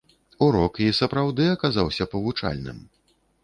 Урок і сапраўды аказаўся павучальным.